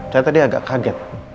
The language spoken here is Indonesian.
saya tadi agak kaget